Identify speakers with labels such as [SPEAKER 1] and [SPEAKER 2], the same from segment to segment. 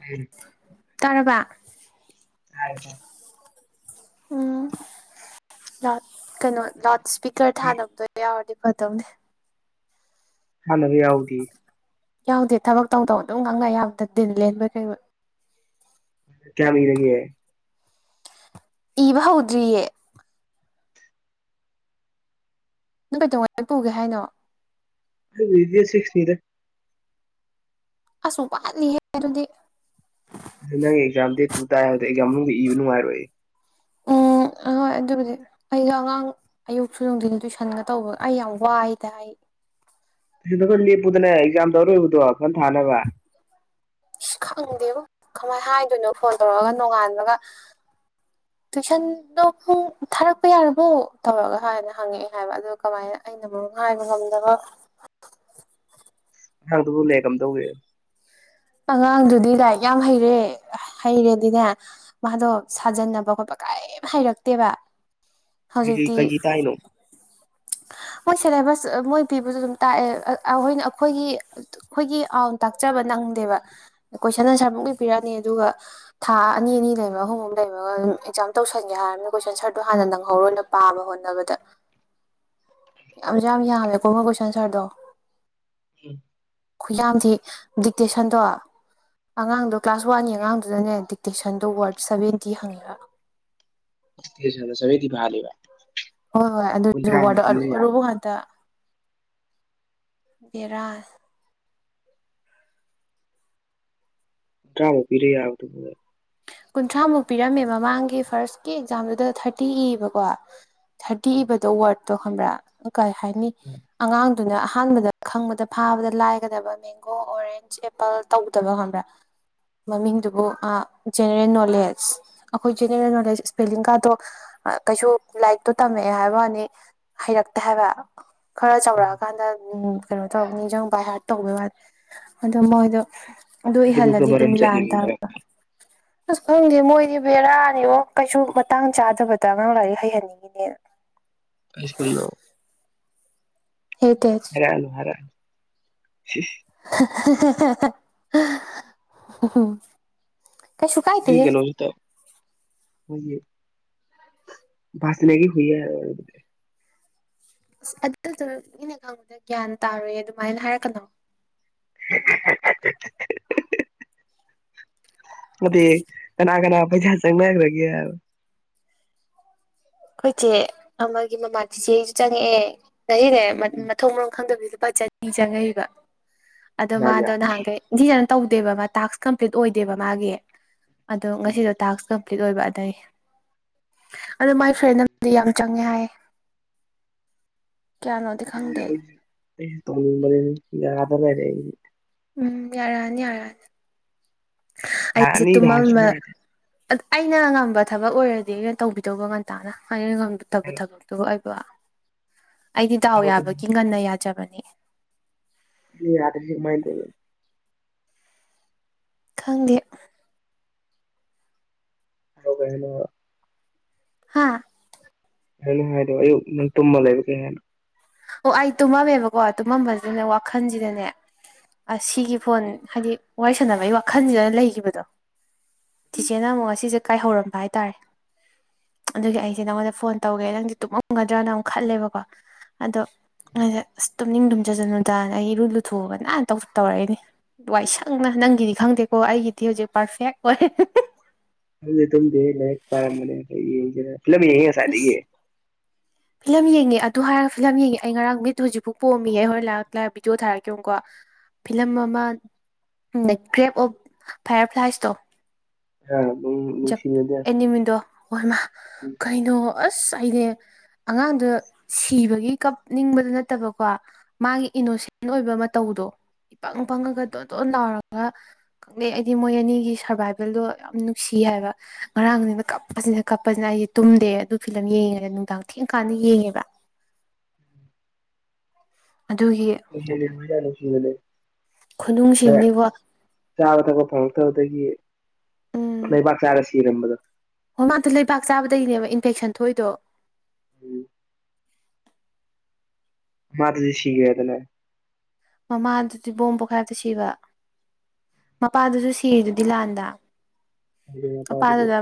[SPEAKER 1] ꯎꯝ
[SPEAKER 2] ꯇꯥꯔꯕ
[SPEAKER 1] ꯇꯥꯔꯦ ꯇꯥꯔꯦ
[SPEAKER 2] ꯎꯝ ꯂꯥꯎꯠ ꯀꯩꯅꯣ ꯂꯥꯎꯠ
[SPEAKER 1] ꯇꯥꯔꯦ
[SPEAKER 2] ꯁ꯭ꯄꯤꯛ ꯀꯔ ꯊꯥꯅꯕꯗꯣ ꯌꯥꯎꯔꯗꯤ ꯐꯗꯧꯅꯦ
[SPEAKER 1] ꯊꯥꯟꯅꯕ ꯌꯥꯎꯗꯤ
[SPEAKER 2] ꯌꯥꯎꯗꯦ ꯊꯕꯛ ꯇꯧ ꯇꯧꯅ ꯑꯗꯨꯝ ꯉꯥꯡꯅ ꯌꯥꯕꯗ ꯗꯤꯟ ꯂꯦꯟꯕꯩ ꯀꯩꯑꯣꯏ
[SPEAKER 1] ꯀꯌꯥꯝ ꯏꯔꯥꯒꯦ
[SPEAKER 2] ꯏꯕ ꯍꯧꯗ꯭ꯔꯤꯌꯦ ꯅꯪ ꯀꯩꯇꯧ ꯉꯩ ꯄꯨꯒꯦ ꯍꯥꯏꯅꯣ
[SPEAKER 1] ꯑꯩꯗꯤ ꯗꯦꯠ ꯁꯤꯛꯁꯅꯤꯗ
[SPEAKER 2] ꯑꯁꯨ ꯋꯥꯠꯂꯤꯍꯦ ꯑꯗꯨꯗꯤ
[SPEAKER 1] ꯑꯗꯨ ꯅꯪ ꯑꯦꯛꯖꯥꯝ ꯗꯦꯠ ꯇꯨ ꯇꯥꯏ ꯍꯥꯏꯕꯗꯣ ꯑꯦꯛꯖꯥꯝ ꯃꯅꯨꯡꯗ ꯏꯕ ꯅꯨꯉꯥꯏꯔꯣꯏ
[SPEAKER 2] ꯎꯝ ꯑꯍꯣꯏ ꯑꯗꯨꯕꯨꯗꯤ ꯑꯩꯖꯨ ꯑꯉꯥꯡ ꯑꯌꯨꯛꯁꯨ ꯅꯨꯡꯗꯤꯟ ꯇꯨꯏꯁꯟꯒ ꯇꯧꯕꯒ ꯑꯩ ꯌꯥꯝ ꯋꯥꯏꯗ ꯑꯩ
[SPEAKER 1] ꯇꯨꯏꯁꯟꯗꯨ ꯈꯔ ꯂꯦꯞꯄꯨꯗꯅ ꯑꯦꯛꯖꯥꯝꯗꯣ ꯑꯔꯣꯏꯕꯗꯣ ꯐꯖꯟ ꯊꯥꯅꯕ
[SPEAKER 2] ꯏꯁ ꯈꯪꯗꯦꯕꯣ ꯀꯃꯥꯏꯟ ꯍꯥꯏꯗꯣꯏꯅꯣ ꯐꯣꯟ ꯇꯧꯔꯑꯒ ꯅꯣꯡꯉꯥꯟꯕꯒ [inaudible] ꯇꯨꯏꯁꯟꯗꯣ ꯄꯨꯡ ꯊꯥꯔꯛꯄ ꯌꯥꯔꯕꯣ ꯇꯧꯔꯒ ꯍꯥꯏꯅ ꯍꯪꯉꯛꯑꯦ ꯍꯥꯏꯕ ꯑꯗꯨꯗꯣ ꯀꯃꯥꯏꯅ ꯑꯩ ꯑꯩꯅ ꯃꯔꯣꯝ ꯍꯥꯏꯕ ꯉꯝꯗꯕ
[SPEAKER 1] ꯅꯪꯗꯨꯅꯦ ꯀꯝꯗꯧꯒꯦ
[SPEAKER 2] ꯑꯉꯥꯡꯗꯨꯗꯤ ꯂꯥꯏꯛ ꯌꯥꯝ ꯍꯩꯔꯦ ꯍꯩꯔꯦꯗꯤꯅꯦ ꯃꯥꯗꯣ ꯁꯥꯖꯟꯅꯕ ꯈꯣꯠꯄ ꯀꯔꯤꯝ ꯍꯩꯔꯛꯇꯦꯕ
[SPEAKER 1] ꯀꯩꯒꯩ
[SPEAKER 2] ꯍꯧꯖꯤꯛꯇꯤ
[SPEAKER 1] ꯀꯩꯒꯤ ꯇꯥꯏꯅꯣ
[SPEAKER 2] ꯃꯣꯏ ꯁꯦꯂꯦꯕꯁ ꯃꯣꯏ ꯄꯤꯕꯖꯨ ꯑꯗꯨꯝ ꯇꯥꯛꯑꯦ ꯑꯍꯣꯏꯅ ꯑꯈꯣꯏꯒꯤ ꯈꯣꯏꯒꯤ ꯑꯥꯎꯟ ꯇꯥꯛꯆꯕ ꯅꯪꯗꯦꯕ ꯀꯣꯏꯁꯟ ꯑꯟꯁꯔ ꯄꯨꯡꯄꯤ ꯄꯤꯔꯛꯑꯅꯤ ꯑꯗꯨꯒ ꯊꯥ ꯑꯅꯤ ꯑꯅꯤ ꯂꯩꯕ ꯑꯍꯨꯝ ꯑꯍꯨꯝ ꯂꯩꯕꯒ ꯑꯗꯨꯝ ꯑꯦꯛꯖꯥꯝ ꯇꯧꯁꯟꯒꯦ ꯍꯥꯏꯔꯃꯤꯅ ꯀꯣꯏꯁꯟ ꯁꯔꯗꯣ ꯍꯥꯟꯅ ꯅꯪꯍꯧꯔꯣꯏꯅ ꯄꯥꯕ ꯍꯣꯠꯅꯕꯗ ꯌꯥꯝꯖꯨ ꯌꯥꯝ ꯌꯥꯝꯃꯦ ꯀꯣ ꯀꯣꯏꯁꯟ ꯁꯥꯔꯗꯣ ꯈꯨꯌꯥꯝꯗꯤ ꯗꯤꯛꯇꯦꯁꯟꯗꯣ ꯑꯉꯥꯡꯗꯣ ꯀ꯭ꯂꯥꯁ ꯋꯥꯟꯒꯤ ꯑꯉꯥꯡꯗꯨꯗꯅꯦ ꯗꯤꯛꯇꯦꯁꯟꯗꯣ ꯋꯥꯔꯗ ꯁꯚꯦꯟꯇꯤ ꯍꯪꯉꯤꯔꯥ
[SPEAKER 1] ꯗꯤꯛꯇꯦꯁꯟꯗꯣ ꯁꯚꯦꯟꯇꯤ ꯄꯍꯜꯂꯤꯕ
[SPEAKER 2] ꯍꯣꯏ ꯍꯣꯏ ꯑꯗꯨꯖꯨ ꯋꯥꯔꯗꯇꯥ ꯑꯔꯨ ꯑꯔꯨꯕ ꯉꯥꯛꯇꯥ ꯕꯦꯔꯥ
[SPEAKER 1] ꯊ꯭ꯔꯥꯃꯨꯛ ꯄꯤꯔꯥ ꯌꯥꯕꯗꯨꯕꯨ
[SPEAKER 2] ꯀꯨꯟꯊ꯭ꯔꯥꯃꯨꯛ ꯄꯤꯔꯝꯃꯦ ꯃꯃꯥꯡꯒꯤ ꯐꯥꯔꯁꯀꯤ ꯑꯦꯛꯖꯥꯝꯗꯨꯗ ꯊꯥꯔꯇꯤ ꯏꯕꯀꯣ ꯊꯥꯔꯇꯤ ꯏꯕꯗꯣ ꯋꯥꯔꯗꯇꯣ ꯈꯪꯕ꯭ꯔꯥ ꯀꯩ ꯍꯥꯏꯅꯤ ꯑꯉꯥꯡ ꯗꯨꯅ ꯑꯍꯥꯟꯕꯗ ꯈꯪꯕꯗ ꯐꯥꯕꯗ ꯂꯥꯏꯒꯗꯕ ꯃꯦ ꯃꯦꯡꯒꯣ ꯑꯣꯔꯦꯟꯖ ꯑꯦꯄꯜ ꯇꯧꯗꯕ ꯈꯪꯕ꯭ꯔꯥ ꯃꯃꯤꯡꯗꯨꯕꯨ ꯑꯥ ꯖꯦꯅꯦꯔꯦꯜ ꯅꯣꯂꯦꯖ ꯑꯈꯣꯏ ꯖꯦꯅꯦꯔꯦꯜ ꯅꯣꯂꯦꯖ ꯁꯄꯦꯂꯤꯡ ꯀꯥꯗꯣ ꯑꯥ ꯀꯩꯁꯨ ꯂꯥꯏꯔꯤꯛꯇꯣ ꯇꯝꯃꯛꯑꯦ ꯍꯥꯏꯕ ꯋꯥꯅꯤ ꯍꯩꯔꯛꯇꯦ ꯍꯥꯏꯕ ꯈꯔ ꯆꯥꯎꯔꯑꯀꯥꯟꯗ ꯎꯝ ꯀꯩꯅꯣ ꯇꯧ ꯅꯤꯡꯖꯪ ꯕꯥꯏ ꯍꯥꯔꯠ ꯇꯧꯕꯩ ꯋꯥꯠ ꯑꯗꯣ ꯃꯣꯏꯗꯣ ꯑꯗꯨ
[SPEAKER 1] ꯑꯗꯨꯕꯨꯛꯇ
[SPEAKER 2] ꯏꯍꯜꯂꯗꯤ ꯑꯗꯨꯝ
[SPEAKER 1] ꯃꯔꯝ
[SPEAKER 2] ꯂꯥꯟ
[SPEAKER 1] ꯆꯠꯂꯤꯕ
[SPEAKER 2] ꯇꯥꯕ
[SPEAKER 1] ꯃꯔꯝ
[SPEAKER 2] ꯑꯁ ꯈꯪꯗꯦ ꯃꯣꯏꯗꯤ ꯕꯦꯔꯥꯅꯤꯕꯣ ꯀꯩꯁꯨ ꯃꯇꯥꯡ ꯆꯥꯗꯕꯗ ꯑꯉꯥꯡ ꯂꯥꯏꯔꯤꯛ ꯍꯩꯍꯟꯅꯤꯡꯉꯤꯅꯦꯅ
[SPEAKER 1] ꯀꯩ ꯁ꯭ꯀꯨꯜꯅꯣ
[SPEAKER 2] ꯏ ꯇꯦꯁ [unintelligible]
[SPEAKER 1] [unintelligible]
[SPEAKER 2] [unintelligible] ꯀꯩꯁꯨ
[SPEAKER 1] ꯁꯤꯒꯤ
[SPEAKER 2] ꯀꯥꯏꯗꯦꯍꯦ
[SPEAKER 1] ꯀꯩꯅꯣꯁꯤꯗ [unintelligible] [unintelligible]
[SPEAKER 2] ꯑꯁ ꯑꯗꯨꯁꯨ ꯑꯩꯅ ꯈꯪꯕꯗ ꯒ꯭ꯌꯥꯟ ꯇꯥꯔꯣꯏꯌꯦ ꯑꯗꯨꯃꯥꯏꯅ ꯍꯥꯏꯔꯛꯀꯅꯣ
[SPEAKER 1] [unintelligible] ꯅꯠꯇꯦꯍꯦ ꯀꯅꯥ ꯀꯅꯥ ꯄꯩꯁꯥ ꯆꯪꯅꯈ꯭ꯔꯒꯦ ꯍꯥꯏꯕ
[SPEAKER 2] ꯑꯩꯈꯣꯏꯆꯦ ꯑꯃꯒꯤ ꯃꯃꯥ ꯆꯤꯆꯦ ꯒꯤꯁꯨ ꯆꯪꯉꯛꯑꯦ ꯉꯁꯤꯅꯦ ꯃꯊꯣꯡ ꯃꯔꯥꯝ ꯈꯪꯗꯕꯤ ꯂꯨꯄꯥ ꯆꯅꯤ ꯆꯪꯉꯛꯏꯕ ꯑꯗꯣ
[SPEAKER 1] ꯀꯅꯥꯒꯤ
[SPEAKER 2] ꯃꯥꯗꯣ ꯅꯍꯥꯟꯈꯩ ꯅꯤꯡꯊꯤꯖꯅ ꯇꯧꯗꯦꯕ ꯃꯥ ꯇꯥꯛꯁ ꯀꯝꯄ꯭ꯂꯤꯠ ꯑꯣꯏꯗꯦꯕ ꯃꯥꯒꯤ ꯑꯗꯣ
[SPEAKER 1] ꯑꯩꯁꯨ
[SPEAKER 2] ꯉꯁꯤꯗꯣ ꯇꯥꯛꯁ ꯑꯣꯏꯕ ꯑꯗꯩ ꯑ ꯑꯗꯣ ꯃꯥꯒꯤ ꯁ꯭ꯔꯦꯟ ꯑꯃꯗꯤ ꯌꯥꯝ ꯆꯪꯉꯦ ꯍꯥꯏ ꯀꯌꯥꯅꯣꯗꯤ ꯈꯪꯗꯦ
[SPEAKER 1] ꯑꯩꯁꯨ ꯇꯧꯅꯤꯡꯕꯅꯦ ꯌꯥꯗꯥ ꯂꯩꯔꯦ ꯑꯩꯁꯦ
[SPEAKER 2] ꯎꯝ ꯌꯥꯔꯛꯑꯅꯤ ꯌꯥꯔꯛꯑꯅꯤ ꯑꯩꯁꯦ
[SPEAKER 1] ꯌꯥꯅꯤꯒ ꯍꯥꯏꯔ
[SPEAKER 2] ꯇꯨꯝꯃꯥꯝꯕ
[SPEAKER 1] ꯁꯨꯡꯌꯥ ꯌꯥꯗꯦ
[SPEAKER 2] ꯑꯩꯅ ꯉꯝꯕ ꯊꯕꯛ ꯑꯣꯏꯔꯗꯤ ꯑꯩꯅ ꯇꯧꯕꯤꯗꯧꯕ ꯉꯟꯇꯥꯅ ꯑꯩꯅ ꯉꯝꯗꯕ ꯊꯕꯛꯇꯨꯕꯨ ꯑꯩꯗꯤ ꯗꯥꯎ ꯌꯥꯕꯒꯤ ꯉꯟꯅ ꯌꯥꯖꯕꯅꯦ
[SPEAKER 1] ꯅꯪ ꯌꯥꯔꯤꯁꯤ ꯀꯃꯥꯢ ꯇꯧꯔꯤꯕ
[SPEAKER 2] ꯈꯪꯗꯦ
[SPEAKER 1] ꯑꯣ ꯀꯩꯅ
[SPEAKER 2] ꯍꯥꯥ
[SPEAKER 1] ꯑ ꯍꯥꯏꯦꯣ ꯑꯌꯣ ꯅꯪ ꯇꯨꯝꯃ ꯂꯩꯕ ꯀꯅ [unintelligible]
[SPEAKER 2] ꯑꯣ ꯑꯩ ꯇꯨꯝꯃꯝꯃꯦꯕꯀꯣ ꯇꯨꯝꯃꯝꯕꯁꯤꯗꯅꯦ ꯋꯥꯈꯜꯁꯤꯗꯅꯦ ꯑꯁ ꯁꯤꯒꯤ ꯐꯣꯟ ꯍꯥꯏꯗꯤ ꯋꯥꯔꯤ ꯁꯥꯟꯅꯕꯒꯤ ꯋꯥꯈꯜꯁꯤꯗ ꯂꯩꯈꯤꯕꯗꯣ ꯆꯤꯆꯦꯅ ꯑꯃꯨꯛ ꯉꯁꯤꯁꯦ ꯀꯥꯏꯍꯧꯔꯝꯕ ꯍꯥꯏꯇꯥꯔꯦ ꯑꯗꯨꯒꯤ ꯑꯩꯁꯦ ꯅꯪꯉꯣꯟꯗ ꯐꯣꯟ ꯇꯧꯒꯦ ꯅꯪꯁꯤ ꯇꯨꯝꯃꯝꯒꯗ꯭ꯔꯅ ꯑꯃꯨꯛ ꯈꯜꯂꯦꯕꯀꯣ ꯑꯗꯣ ꯉꯁꯥꯢ ꯑꯁ ꯇꯨꯝꯅꯤꯡ ꯇꯨꯝꯖꯖꯅꯨ ꯗꯅ ꯑꯩ ꯏꯔꯨ ꯂꯨꯊꯣꯛꯑꯒ ꯅꯥꯟꯅ ꯇꯧꯔꯛꯏꯅꯤ ꯋꯥꯏꯁꯪꯅ ꯅꯪꯒꯤꯗꯤ ꯈꯪꯗꯦꯀꯣ ꯑꯩꯒꯤꯗꯤ ꯍꯧꯖꯤꯛ ꯄꯥꯔꯐꯦꯛ ꯑꯣꯏꯔꯦ
[SPEAKER 1] ꯑꯩꯗꯤ ꯇꯨꯝꯗꯦꯍꯦ ꯂꯥꯢꯔꯤꯛ ꯄꯥꯔꯝꯕꯅꯦ ꯐꯤꯂꯥꯝ ꯌꯦꯡꯁꯤꯔꯅ
[SPEAKER 2] ꯢꯁ ꯐꯤꯂꯝ ꯌꯦꯡꯉꯦ ꯑꯗꯨ ꯍꯥꯏꯔꯒ ꯐꯤꯂꯝ ꯌꯦꯡꯉꯦ ꯑꯩ ꯉꯔꯥꯡ ꯅꯨꯃꯤꯠ ꯍꯧꯖꯤꯛ ꯄꯣꯝꯃꯤꯌꯦ ꯍꯣꯏ ꯂꯥꯏꯛ ꯂꯥꯏ ꯚꯤꯗꯤꯑꯣ ꯊꯔꯛꯀꯦ ꯌꯦꯡꯉꯨꯒꯣ ꯐꯤꯂꯝ ꯑꯃ ꯗꯥ ꯀ꯭ꯔꯦꯞ ꯑꯣꯐ ꯐꯌꯔ ꯐ꯭ꯂꯥꯏꯁꯇꯣ
[SPEAKER 1] ꯍ [unintelligible]
[SPEAKER 2] ꯖꯞ ꯑꯦꯅꯤꯃꯤꯜꯗꯣ ꯑꯣꯏꯃꯥ ꯀꯩꯅꯣ ꯑꯁ ꯑꯩꯅꯦ ꯑꯉꯥꯡꯗꯣ ꯁꯤꯕꯒꯤ ꯀꯞꯅꯤꯡꯕꯗꯨ ꯅꯠꯇꯕꯀꯣ ꯃꯥꯒꯤ ꯏꯅꯣꯁꯦꯟ ꯑꯣꯏꯕ ꯃꯇꯧꯗꯣ ꯏ ꯄꯪ ꯄꯪꯉꯒ ꯇꯣꯟ ꯇꯣꯟ ꯂꯥꯎꯔꯒ ꯈꯪꯗꯦ ꯑꯩꯗꯤ ꯃꯣꯏ ꯑꯅꯤꯒꯤ ꯁꯔꯕꯥꯏꯕꯦꯜꯗꯣ ꯌꯥꯝ ꯅꯨꯡꯁꯤ ꯍꯥꯏꯕ ꯉꯔꯥꯡꯗꯤ ꯀꯞꯄꯁꯤꯅ ꯀꯞꯄꯁꯤꯅ ꯑꯩꯁꯦ ꯇꯨꯝꯗꯦ ꯑꯗꯨ ꯐꯤꯂꯝ ꯌꯦꯡꯉ ꯅꯨꯡꯗꯥꯡ ꯊꯦꯡꯀꯥꯟꯗ ꯌꯦꯡꯉꯦꯕ ꯑꯗꯨꯒꯤ
[SPEAKER 1] ꯅ ꯁꯤꯒꯦ [unintelligible]
[SPEAKER 2] ꯈꯨꯅꯨꯡꯁꯤꯡꯅꯤꯕꯣ
[SPEAKER 1] ꯆꯥꯕ ꯊꯛꯄ ꯐꯪꯉꯛꯇꯕꯗꯒꯤ ꯂꯩꯕꯥꯛ ꯆꯥꯔ ꯁꯤꯔꯝꯕꯗꯣ
[SPEAKER 2] ꯍꯣ ꯃꯥꯗꯣ ꯂꯩꯕꯥꯛ ꯆꯥꯕꯗꯒꯤꯅꯦꯕ ꯏꯟꯐꯦꯛꯁꯟ ꯊꯣꯛꯏꯗꯣ
[SPEAKER 1] ꯎꯝ ꯃꯥꯗꯤ ꯍꯨꯖꯤꯛ ꯁꯤꯒ꯭ꯔꯦꯗꯅ
[SPEAKER 2] ꯃꯃꯥꯗꯨꯗꯤ ꯕꯣꯝ ꯄꯣꯛꯈꯥꯏꯕꯇ ꯁꯤꯕ ꯃꯄꯥꯗꯨꯁꯨ ꯁꯤꯔꯤꯗꯨꯗꯤ ꯂꯥꯟꯗꯥ
[SPEAKER 1] ꯃꯄꯥꯗꯨꯁꯨ
[SPEAKER 2] ꯑꯄꯥꯗꯨꯗ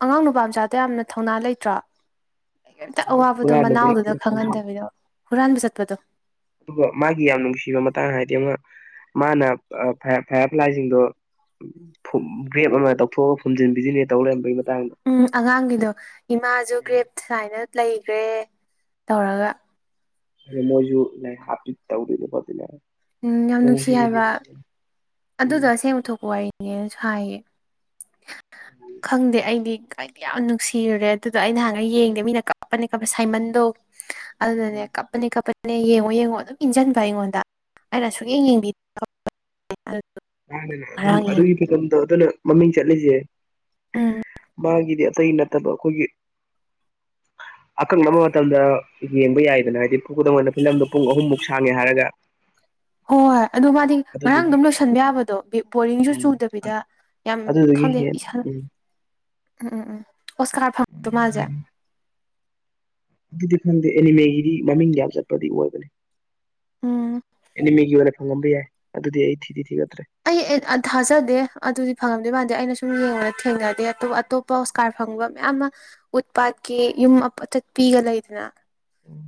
[SPEAKER 2] ꯑꯉꯥꯡ ꯅꯨꯄꯥ ꯃꯆꯥꯗꯣ ꯌꯥꯝꯅ ꯊꯧꯅꯥ ꯂꯩꯇ꯭ꯔꯣ ꯀꯩꯝꯇ ꯑꯋꯥꯕꯗꯣ
[SPEAKER 1] ꯍꯨꯔꯥꯟꯂꯨꯕꯩ
[SPEAKER 2] ꯃꯅꯥꯎꯗꯨꯗ
[SPEAKER 1] ꯄꯨꯔꯛꯄꯅꯤ
[SPEAKER 2] ꯈꯪꯍꯟꯗꯕꯤꯗ ꯍꯨꯔꯥꯟꯕ ꯆꯠꯄꯗꯣ
[SPEAKER 1] ꯑꯗꯨꯒ ꯃꯥꯒꯤ ꯌꯥꯝ ꯅꯨꯡꯁꯤꯕ ꯃꯇꯥꯡ ꯍꯥꯏꯗꯤ ꯑꯃ ꯃꯥꯅ ꯑꯥ ꯐꯌꯥꯔ ꯐꯌꯥꯔ ꯐ꯭ꯂꯥꯏꯁꯤꯡꯗꯣ ꯐꯨꯝ ꯒ꯭ꯔꯦꯞ ꯑꯃ ꯇꯧꯊꯣꯛꯑꯒ ꯐꯨꯝꯖꯤꯟꯕꯤꯗꯣꯏꯅꯦ ꯇꯧ ꯂꯩꯔꯝꯕꯩ ꯃꯇꯥꯡꯗꯣ
[SPEAKER 2] ꯎꯝ ꯑꯉꯥꯡꯒꯤꯗꯣ ꯏꯃꯥꯖꯨ
[SPEAKER 1] ꯎꯝ
[SPEAKER 2] ꯒ꯭ꯔꯦꯞ ꯁꯥꯏꯅ ꯂꯩꯒ꯭ꯔꯦ ꯇꯧꯔꯒ
[SPEAKER 1] ꯑꯩꯅ ꯃꯣꯏꯁꯨ ꯂꯥꯏ ꯍꯥꯞꯄꯤ ꯇꯧꯗꯣꯏꯅꯦ ꯈꯣꯠꯇꯅꯦ
[SPEAKER 2] ꯎꯝ ꯌꯥꯝ ꯅꯨꯡꯁꯤ ꯍꯥꯏꯕ ꯑꯗꯨꯗꯣ
[SPEAKER 1] ꯎꯝ
[SPEAKER 2] ꯑꯁꯦꯡꯕ ꯊꯣꯛꯄ ꯋꯥꯔꯤꯅꯦꯅꯁꯨ ꯍꯥꯏꯌꯦ ꯈꯪꯗꯦ ꯑꯩꯗꯤ ꯀꯩꯝ ꯌꯥꯝ ꯅꯨꯡꯁꯤꯔꯨꯔꯦ ꯑꯗꯨꯗꯣ ꯑꯩ ꯅꯍꯥꯟꯒꯩ ꯌꯦꯡꯗꯦ ꯃꯤꯅ ꯀꯞꯄꯛꯀꯅꯦ ꯀꯞꯄ ꯁꯥꯏꯃꯟꯗꯣ ꯑꯗꯨꯅꯅꯦ ꯀꯞꯄꯅꯦ ꯀꯞꯄꯅꯦ ꯌꯦꯡꯉꯣ ꯌꯦꯡꯉꯣ ꯑꯗꯨꯝ ꯏꯟꯖꯟꯕ ꯑꯩꯉꯣꯟꯗ ꯑꯩꯅ ꯁꯨꯛꯌꯦꯡ ꯌꯦꯡꯕꯤ
[SPEAKER 1] [unintelligible] ꯑꯗꯨꯝ
[SPEAKER 2] ꯉꯔꯥꯡ ꯌꯦꯡꯉ
[SPEAKER 1] ꯑꯗꯨꯒꯤ ꯐꯤꯕꯝꯗꯣ ꯑꯗꯨꯅ ꯃꯃꯤꯡ ꯆꯠꯂꯤꯖꯦ
[SPEAKER 2] ꯎꯝ
[SPEAKER 1] ꯃꯥꯒꯤꯗꯤ ꯏꯇꯩꯅꯠ ꯅꯠꯇꯕ ꯑꯈꯣꯏꯒꯤ ꯑꯀꯛꯅꯕ ꯃꯇꯝꯗ ꯌꯦꯡꯕ ꯌꯥꯏꯗꯅ ꯍꯥꯏꯗꯤ ꯈꯨꯗꯝ ꯑꯣꯅ ꯐꯤꯂꯝꯗꯣ ꯄꯨꯡ ꯑꯍꯨꯝꯃꯨꯛ ꯁꯥꯡꯉꯦ ꯍꯥꯏꯔꯒ
[SPEAKER 2] ꯍꯣꯏ ꯑꯗꯨ ꯃꯥꯗꯤ ꯉꯔꯥꯡ
[SPEAKER 1] ꯑꯗꯨꯗꯨꯒꯤ
[SPEAKER 2] ꯑꯗꯨꯝ ꯂꯣꯏꯁꯟꯕ ꯌꯥꯕꯗꯣ ꯕꯤ ꯕꯣꯔꯤꯡꯁꯨ
[SPEAKER 1] ꯎꯝ
[SPEAKER 2] ꯆꯨꯗꯕꯤꯗ ꯌꯥꯝ
[SPEAKER 1] ꯑꯗꯨꯗꯨꯒꯤ
[SPEAKER 2] ꯈꯪꯗꯦ
[SPEAKER 1] ꯍꯦꯟ
[SPEAKER 2] ꯏꯁꯥꯅ
[SPEAKER 1] ꯎꯝ
[SPEAKER 2] ꯎꯝ ꯎꯝ ꯎꯝ ꯑꯣꯁꯀꯥꯔ ꯐꯪ [unintelligible] ꯃꯥꯖꯦ
[SPEAKER 1] ꯑꯗꯨꯗꯤ ꯈꯪꯗꯦ ꯑꯦꯅꯤꯃꯦꯒꯤꯗꯤ ꯃꯃꯤꯡꯗꯤ ꯌꯥꯝ ꯆꯠꯄꯗꯤ ꯑꯣꯏꯕꯅꯤ
[SPEAKER 2] ꯎꯝ
[SPEAKER 1] ꯑꯦꯅꯤꯃꯦꯒꯤ ꯑꯣꯏꯅ ꯐꯪꯉꯝꯕ ꯌꯥꯏ ꯑꯗꯨꯗꯤ ꯑꯩ ꯊꯤꯗꯤ ꯊꯤꯒꯠꯇ꯭ꯔꯦ
[SPEAKER 2] ꯑꯩ ꯑꯦ ꯊꯥꯖꯗꯦ ꯑꯗꯨꯗꯤ ꯐꯪꯉꯝꯗꯣꯏ ꯃꯥꯟꯗꯦ ꯑꯩꯅ ꯁꯨꯝ ꯌꯦꯡꯕꯗ ꯊꯦꯡꯅꯗꯦ ꯑꯇꯣꯞ ꯑꯇꯣꯞ ꯄ ꯑꯣꯁꯀꯥꯔ ꯐꯪꯕ ꯃꯌꯥꯝꯃ ꯎꯠ ꯄꯥꯠꯀꯤ ꯌꯨꯝ ꯑꯥ ꯑꯇꯠꯄꯤꯒ ꯂꯩꯗꯅ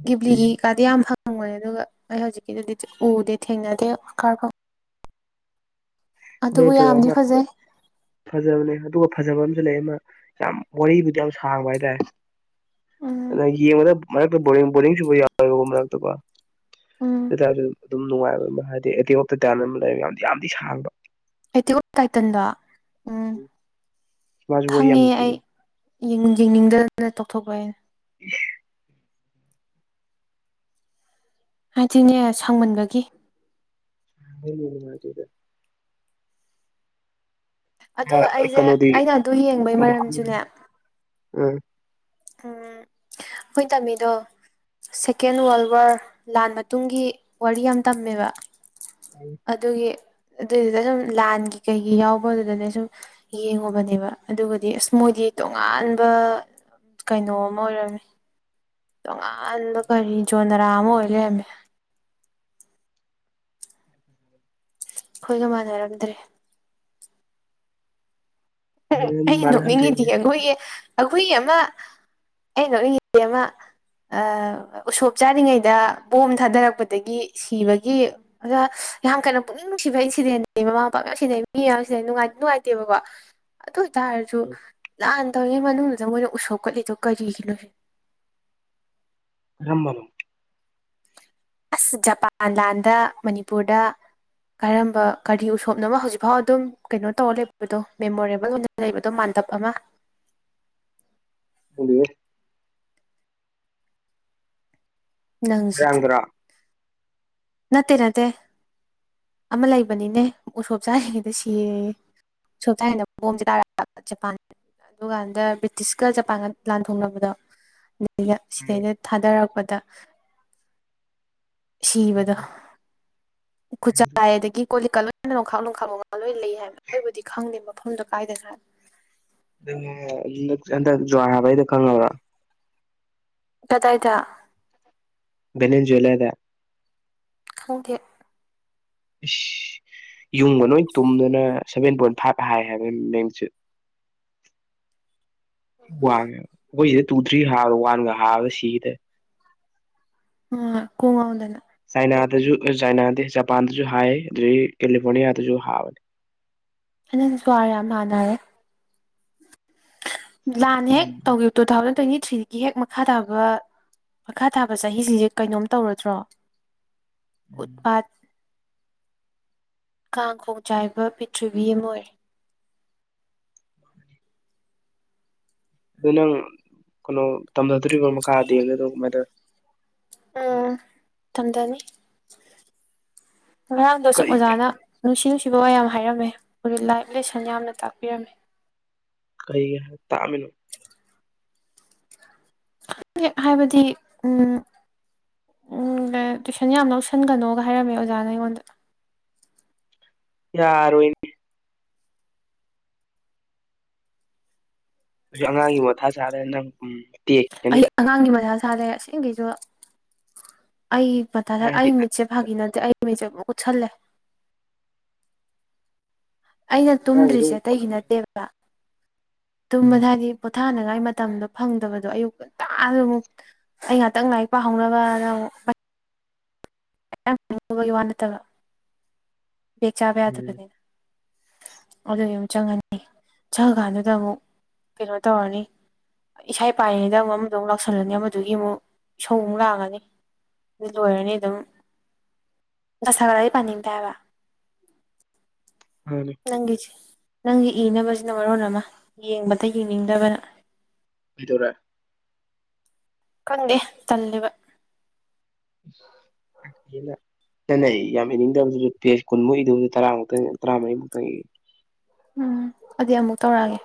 [SPEAKER 2] ꯒꯤꯕꯂꯤ
[SPEAKER 1] ꯎꯝ
[SPEAKER 2] ꯀꯥꯗꯤ ꯌꯥꯝ ꯐꯪꯕꯅꯦ ꯑꯗꯨꯒ ꯑꯩ ꯍꯧꯖꯤꯛꯀꯤꯗꯨꯗꯤ ꯎꯗꯦ ꯊꯦꯡꯅꯗꯦ ꯑꯣꯁꯀꯥꯔ ꯑꯗꯨꯕꯨ
[SPEAKER 1] [unintelligible]
[SPEAKER 2] ꯌꯥꯝꯗꯤ
[SPEAKER 1] ꯑꯃ
[SPEAKER 2] ꯐꯖꯩ
[SPEAKER 1] ꯐꯖꯕꯅꯦ ꯑꯗꯨꯒ ꯐꯖꯕ ꯑꯃꯖꯨ ꯂꯩ ꯑꯃ ꯌꯥꯝ ꯋꯥꯔꯤꯔꯤꯕꯨꯗꯤ ꯌꯥꯝ ꯁꯥꯡꯕ ꯍꯥꯏꯇꯥꯔꯦ
[SPEAKER 2] ꯎꯝ
[SPEAKER 1] ꯑꯗ ꯌꯦꯡꯕꯗ ꯃꯔꯛꯇ ꯕꯣꯔꯤꯡ ꯕꯣꯔꯤꯡ ꯆꯨꯕ ꯌꯥꯎꯋꯦꯕ ꯃꯔꯛꯇꯀꯣ
[SPEAKER 2] ꯎꯝ
[SPEAKER 1] ꯑꯗꯨꯏꯇꯥꯔꯁꯨ ꯑꯗꯨꯝ ꯅꯨꯡꯉꯥꯏꯕ ꯑꯃ ꯍꯥꯏꯗꯤ ꯑꯦꯇꯦꯛ ꯑꯦꯐ ꯇꯩꯇꯥꯅ ꯑꯃ ꯂꯩ ꯌꯥꯝ ꯌꯥꯝꯗꯤ ꯁꯥꯡꯕ
[SPEAKER 2] ꯑꯦꯇꯦꯛ ꯑꯣꯐ ꯇꯥꯏꯇꯟꯗꯣ ꯎꯝ
[SPEAKER 1] ꯃꯥꯁꯨ ꯋꯥꯔꯤ ꯌꯥꯝ
[SPEAKER 2] ꯈꯪꯉꯦ ꯑꯩ
[SPEAKER 1] ꯅꯨꯡꯁꯤꯕꯅꯤ
[SPEAKER 2] ꯌꯦꯡꯅꯤꯡ ꯌꯦꯡꯅꯤꯡꯗꯗꯅ ꯇꯧꯊꯣꯛꯄ ꯑꯩꯅ
[SPEAKER 1] ꯏꯁ
[SPEAKER 2] ꯍꯥꯏꯗꯤꯅꯦ ꯁꯥꯡꯃꯟꯕꯒꯤ
[SPEAKER 1] [unintelligible] ꯑꯥ
[SPEAKER 2] ꯑꯗꯨꯒ
[SPEAKER 1] ꯑꯥ
[SPEAKER 2] ꯑꯩꯁꯦ
[SPEAKER 1] ꯀꯩꯅꯣꯗꯤ
[SPEAKER 2] ꯑꯩꯅ ꯑꯗꯨ ꯌꯦꯡꯕꯩ
[SPEAKER 1] ꯀꯩꯅ‌ꯣꯗꯤ
[SPEAKER 2] ꯃꯔꯝꯁꯨꯅꯦ
[SPEAKER 1] [unintelligible]
[SPEAKER 2] ꯎꯝ ꯈ‌ꯣꯏꯅ ꯇꯝꯃꯤꯗꯣ ꯁꯦꯀꯦꯟ ꯋꯥꯔꯜ ꯋꯥꯔ ꯂꯥꯟ ꯃꯇꯨꯡꯒꯤ ꯋꯥꯔꯤ ꯌꯥꯝ ꯇꯝꯃꯦꯕ ꯑꯗꯨꯒꯤ ꯑꯗꯨꯏꯗꯨꯗ ꯁꯨꯝ ꯂꯥꯟꯒꯤ ꯀꯩꯒꯤ ꯌꯥꯎꯕꯗꯨꯗꯅꯦ ꯁꯨꯝ ꯌꯦꯡꯉꯨꯕꯅꯦꯕ ꯑꯗꯨꯒꯗꯤ ꯑꯁ ꯃꯣꯏꯗꯤ ꯇꯣꯉꯥꯟꯕ ꯀꯩꯅꯣꯝꯃ ꯑꯣꯏꯔꯝꯃꯤ ꯇꯣꯉꯥꯟꯕ ꯀꯔꯤ ꯖꯣꯟꯅꯔꯥ ꯑꯃ ꯑꯣꯏ ꯂꯩꯔꯝꯃꯤ ꯈ‌ꯣꯏꯒ ꯃꯥꯟꯅꯔꯝꯗ꯭ꯔꯦ ꯑꯩꯅ ꯅꯣꯛꯅꯤꯡꯉꯤꯗꯤ
[SPEAKER 1] ꯃꯥꯟꯅꯍꯟꯗ꯭ꯔꯦꯅꯦ
[SPEAKER 2] ꯑꯩꯈꯣꯏꯒꯤ ꯑꯩꯈꯣꯏꯒꯤ ꯑꯃ ꯑꯩꯅ ꯅꯣꯛꯅꯤꯡꯉꯤꯗꯤ ꯑꯃ ꯑꯥ ꯎꯁꯣꯞ ꯆꯥꯔꯤꯉꯩꯗ ꯕꯣꯝ ꯊꯥꯗꯔꯛꯄꯗꯒꯤ ꯁꯤꯕꯒꯤ ꯑꯗ ꯌꯥꯝ ꯀꯟꯅ ꯄꯨꯛꯅꯤꯡ ꯅꯨꯡꯁꯤꯕ [unintelligible] ꯃꯃꯥ ꯃꯄꯥ ꯃꯌꯥꯝ ꯁꯤꯟꯅꯩ ꯃꯤ ꯃꯌꯥꯝ ꯁꯤꯟꯅꯩ ꯅꯨꯡꯉꯥꯏꯗꯤ ꯅꯨꯡꯉꯥꯏꯇꯦꯕꯀꯣ ꯑꯗꯨ ꯑꯣꯏꯇꯥꯔꯖꯨ ꯂꯥꯟ ꯇꯧꯔꯤꯉꯩ ꯃꯅꯨꯡꯗꯨꯗ ꯃꯣꯏꯅ ꯎꯁꯣꯛꯞꯀꯠꯂꯤꯗꯣ ꯀꯔꯤꯒꯤꯅꯣ ꯁꯤ
[SPEAKER 1] ꯀꯔꯝꯕꯅ‌ꯣ
[SPEAKER 2] ꯑꯁ ꯖꯄꯥꯟ ꯂꯥꯟꯗ ꯃꯅꯤꯄꯨꯔꯗ ꯀꯔꯝꯕ ꯀꯔꯤ ꯎꯁꯣꯞꯅꯣ ꯍꯧꯖꯤꯛꯐꯥꯎ ꯑꯗꯨꯝ ꯀꯩꯅꯣ ꯇꯧꯔ ꯂꯩꯕꯗꯣ ꯃꯦꯃꯣꯔꯦꯕꯜ ꯑ‌ꯣꯏꯅ ꯂꯩꯕꯗꯣ ꯃꯥꯟꯇꯕ ꯑꯃ
[SPEAKER 1] ꯈꯪꯗꯦꯍꯦ
[SPEAKER 2] ꯅꯪꯁꯤꯗꯤ
[SPEAKER 1] ꯃꯣꯏꯔꯥꯡꯗꯔꯣ
[SPEAKER 2] ꯅꯠꯇꯦ ꯅꯠꯇꯦ ꯑꯃ ꯂꯩꯕꯅꯤꯅꯦ ꯎꯁꯣꯞ ꯆꯥꯔꯤꯉꯩꯗ ꯁꯤꯌꯦꯌꯦ ꯎꯁꯣꯞ ꯆꯥꯔꯤꯀꯥꯟꯗ ꯕꯣꯝꯖꯦ ꯇꯥꯔꯛꯄ ꯑꯗꯥ ꯖꯄꯥꯟ ꯑꯗꯨꯀꯥꯟꯗ ꯕ꯭ꯔꯤꯇꯤꯁꯀ ꯖꯄꯥꯟꯒ ꯂꯥꯟ ꯊꯣꯛꯅꯕꯗꯣ ꯗꯩꯅ
[SPEAKER 1] ꯎꯝ
[SPEAKER 2] ꯁꯤꯗꯩꯅ ꯊꯥꯗꯔꯛꯄꯗ ꯁꯤꯕꯗ ꯈꯨꯁꯥꯏ ꯑꯗꯥꯒꯤ ꯀꯣꯜ ꯂꯤꯛꯀ ꯂꯣꯏꯅ ꯅꯣꯡꯈꯥ ꯂꯣꯡꯈꯥꯛ ꯂꯣꯡꯉꯥ ꯂꯣꯏ ꯂꯩ ꯍꯥꯏꯕ ꯑꯩꯕꯨꯗꯤ ꯈꯪꯗꯦ ꯃꯐꯝꯗꯣ ꯀꯥꯏꯗꯅꯣ ꯍꯥꯏꯕ
[SPEAKER 1] ꯑꯗꯨꯅꯦ ꯍꯥꯏꯕ [unintelligible] ꯍꯟꯗꯛ ꯖꯋꯥꯔ ꯍꯥꯕꯒꯤꯗꯣ ꯈꯪꯉꯕ꯭ꯔꯥ
[SPEAKER 2] ꯀꯗꯥꯏꯗ
[SPEAKER 1] ꯕꯔꯦꯟ ꯖꯣꯏꯂꯔꯗ
[SPEAKER 2] ꯈꯪꯗꯦ
[SPEAKER 1] ꯏꯁ ꯌꯨꯡꯒ ꯂꯣꯏ ꯇꯨꯝꯗꯅ ꯁꯚꯦꯟ ꯄꯣꯏꯟ ꯐꯥꯏꯚ ꯍꯥꯏ ꯍꯥꯏꯕ ꯃ‌ꯦꯛꯅꯤꯇ꯭ꯌꯨꯠ ꯋꯥꯡꯉꯦꯕ ꯑꯩꯈꯣꯏ ꯁꯤꯗ ꯇꯨ ꯊ꯭ꯔꯤ ꯍꯥꯕꯗ ꯋꯥꯟꯒ ꯍꯕꯗ ꯁꯤꯒ‌ꯦ ꯇꯧꯋꯤ
[SPEAKER 2] ꯑꯣ ꯀ‌ꯣꯛꯉꯥꯎꯗꯅ
[SPEAKER 1] ꯆꯥꯏꯅꯥꯗꯁꯨ ꯆꯥꯏꯅꯥ ꯅꯠꯇꯦ ꯖꯄꯥꯟꯗꯁꯨ ꯍꯥꯏ ꯑꯗꯨꯗꯒꯤ ꯀꯦꯂꯤꯐꯣꯔꯅꯤꯌꯥꯗꯁꯨ ꯍꯥꯕꯅꯤ
[SPEAKER 2] ꯍꯟꯗꯛꯁꯦ ꯖꯋꯥꯔ ꯌꯥꯝ ꯍꯥꯅꯔꯦ ꯂꯥꯟ ꯍꯦꯛ
[SPEAKER 1] ꯎꯝ
[SPEAKER 2] ꯇꯧꯈꯤꯕ ꯇꯨ ꯊꯥꯎꯖꯟ ꯇ꯭ꯋꯦꯟꯇꯤ ꯊ꯭ꯔꯤꯗꯒꯤ ꯍꯦꯛ ꯃꯈꯥ ꯇꯥꯕ ꯃꯈꯥ ꯇꯥꯕ ꯆꯍꯤꯁꯤꯡꯁꯦ ꯀꯩꯅꯣꯝ ꯇꯧꯔꯗ꯭ꯔꯣ ꯎꯠ
[SPEAKER 1] ꯎꯝ
[SPEAKER 2] ꯄꯥꯠ ꯀꯥꯡ ꯈꯣꯡ ꯆꯥꯏꯕ ꯄ꯭ꯔꯤꯊ꯭ꯤꯕꯤ ꯑꯃ ꯑꯣꯏꯔꯦ
[SPEAKER 1] ꯑꯗꯨ ꯅꯪ ꯀꯩꯅꯣ ꯇꯝꯊꯗꯧꯔꯤꯕꯣ ꯃꯈꯥꯗꯤ ꯗꯦꯝꯗ ꯑꯗꯨ ꯀꯃꯥꯏ ꯇꯧꯔꯦ
[SPEAKER 2] ꯎꯝ ꯇꯝꯗꯅꯤ ꯉꯔꯥꯡꯗꯨꯁꯨ
[SPEAKER 1] ꯀꯔꯤ
[SPEAKER 2] ꯑꯣꯖꯥꯅ ꯅꯨꯡꯁꯤ ꯅꯨꯡꯁꯤꯕ ꯋꯥ ꯌꯥꯝ ꯍꯥꯏꯔꯝꯃꯦ ꯂꯥꯏꯞ ꯂꯦꯁꯟ ꯌꯥꯝꯅ ꯇꯥꯛꯄꯤꯔꯝꯃꯤ
[SPEAKER 1] ꯀꯔꯤ ꯇꯥꯛꯑꯝꯃꯤꯅꯣ
[SPEAKER 2] ꯍꯥꯏꯕꯗꯤ ꯎꯝ ꯎꯝ ꯇꯨꯏꯁꯟ ꯌꯥꯝ ꯂꯧꯁꯤꯟꯒꯅꯣꯒ ꯍꯥꯏꯔꯝꯃꯦ ꯑꯣꯖꯥꯅ ꯑꯩꯉꯣꯟꯗ
[SPEAKER 1] ꯌꯥꯔꯣꯏꯅꯦ ꯑꯩ ꯑꯉꯥꯡꯒꯤ ꯃꯊꯥ ꯁꯥꯂꯩꯔꯒ ꯅꯪ ꯎꯝ ꯇꯦꯛ
[SPEAKER 2] ꯑꯩ ꯑꯉꯥꯡꯒꯤ ꯃꯊꯥ ꯁꯥꯂꯩꯔꯦ ꯑꯁꯦꯡꯒꯩꯖꯨ ꯑꯩ ꯃꯊꯥ
[SPEAKER 1] ꯍꯥꯏꯗꯤ
[SPEAKER 2] ꯑꯩ ꯃꯤꯠꯁꯦ ꯐꯥꯒꯤ ꯅꯠꯇꯦ ꯑꯩ ꯃꯤꯠꯁꯦ ꯄꯨꯡꯀꯨꯠ ꯀꯨꯠꯁꯜꯂꯦ ꯑꯩꯅ
[SPEAKER 1] ꯑꯉꯥꯡꯒꯤꯗꯣ
[SPEAKER 2] ꯇꯨꯝꯗ꯭ꯔꯤꯁꯦ ꯑꯥꯇꯩꯒꯤ ꯅꯠꯇꯦꯕ
[SPEAKER 1] ꯎꯝ
[SPEAKER 2] ꯇꯨꯝꯕꯗꯤ ꯍꯥꯏꯗꯤ ꯄꯣꯊꯥꯅꯉꯥꯏ ꯃꯇꯝꯗꯣ ꯐꯪꯗꯕꯗꯣ ꯑꯌꯨꯛ ꯉꯟꯇꯥ ꯑꯃꯨꯛ ꯑꯩ ꯉꯥꯛꯇꯪ ꯂꯥꯏꯔꯤꯛ ꯄꯥꯍꯧꯅꯕꯅ ꯑꯃꯨꯛ ꯑꯃ ꯑꯃꯒꯤ ꯋꯥ ꯅꯠꯇꯕ ꯕꯦꯛ ꯆꯥꯕ
[SPEAKER 1] ꯎꯝ
[SPEAKER 2] ꯌꯥꯗꯕꯅꯤꯅ ꯑꯗꯨꯏ ꯑꯃꯨꯛ ꯆꯪꯉꯅꯤ ꯆꯪꯉꯀꯥꯟꯗꯨꯗ ꯑꯃꯨꯛ ꯀꯩꯅꯣ ꯇꯧꯔꯅꯤ ꯏꯁꯥꯏ ꯄꯥꯏꯔꯤꯉꯩꯗ ꯑꯃꯨꯛ ꯑꯃꯗꯨ ꯑꯃꯨꯛ ꯂꯥꯛꯁꯜꯂꯅꯤ ꯑꯃꯗꯨꯒꯤ ꯑꯃꯨꯛ ꯏꯁꯧ ꯑꯃꯨꯛ ꯂꯥꯡꯉꯅꯤ ꯑꯗꯨ ꯂꯣꯏꯔꯅꯤ ꯑꯗꯨꯝ ꯅꯨꯡꯁꯥ ꯁꯥꯒꯠꯂꯗꯤ ꯄꯥꯅꯤꯡꯗꯦ ꯍꯥꯏꯕ
[SPEAKER 1] ꯃꯥꯅꯦ
[SPEAKER 2] ꯅꯪꯒꯤꯁꯦ ꯅꯪꯒꯤ ꯏꯅꯕꯁꯤꯅ ꯃꯔꯣꯟ ꯑꯃ ꯌꯦꯡꯕꯗ ꯌꯦꯡꯅꯤꯡꯗꯕꯅ
[SPEAKER 1] ꯀꯩꯗꯧꯔꯦ
[SPEAKER 2] ꯈꯪꯗꯦ ꯇꯜꯂꯦꯕ ꯎ [unintelligible]
[SPEAKER 1] ꯌꯥꯝ ꯇꯦꯟꯅ ꯆꯟꯅ ꯌꯥꯝ ꯏꯅꯤꯡꯗ꯭ꯔꯕꯁꯨ ꯄꯦꯖ ꯀꯨꯟꯃꯨꯛ ꯏꯗꯨꯕꯗꯨ ꯇꯔꯥꯃꯨꯛꯇꯪ ꯇꯔꯥꯃꯔꯤꯃꯨꯛꯇꯪ ꯏꯌꯨ
[SPEAKER 2] ꯎꯝ ꯑꯗꯨꯗꯤ ꯑꯃꯨꯛ ꯇꯧꯔꯛꯑꯒꯦ